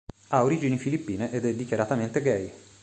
Ha origini filippine ed è dichiaratamente gay.